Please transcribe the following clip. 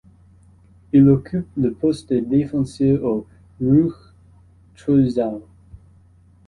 Il occupe le poste de défenseur au Ruch Chorzów.